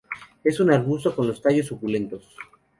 Es un arbusto con los tallos suculentos.